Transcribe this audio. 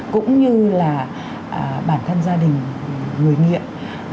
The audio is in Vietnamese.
cũng như là bản thân gia đình người nghiện